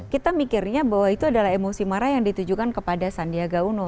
kita mikirnya bahwa itu adalah emosi marah yang ditujukan kepada sandiaga uno